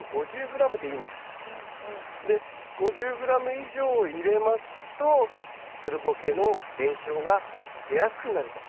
で５０ｇ以上入れますとつるボケの現象が出やすくなると。